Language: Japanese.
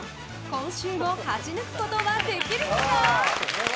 今週も勝ち抜くことはできるのか。